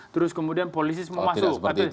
terus kemudian polisi semua masuk